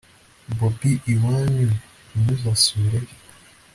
bobi iwanyu ntuzasubirayo!